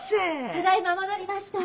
ただいま戻りました。